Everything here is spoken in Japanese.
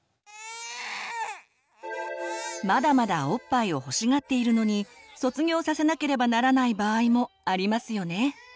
まだまだおっぱいを欲しがっているのに卒業させなければならない場合もありますよね。